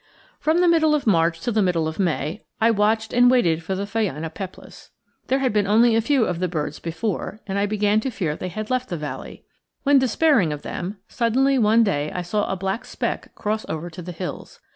From the middle of March till the middle of May I watched and waited for the phainopeplas. There had been only a few of the birds before, and I began to fear they had left the valley. When despairing of them, suddenly one day I saw a black speck cross over to the hills.